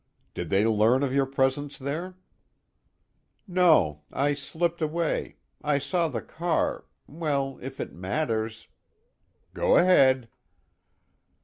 "Did they learn of your presence there?" "No. I slipped away. I saw the car well, if it matters " "Go ahead."